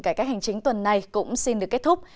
cải cách hành chính tuần này cũng xin được kết thúc